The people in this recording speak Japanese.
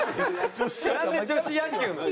なんで女子野球なの。